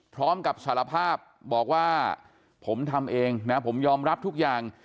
พร้อมกับสารภาพบอกว่าผมทำเองนะผมยอมรับทุกอย่าง